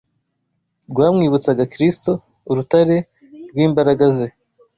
rwamwibutsaga Kristo, urutare rw’imbaraga ze,